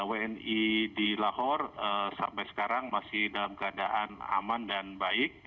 wni di lahore sampai sekarang masih dalam keadaan aman dan baik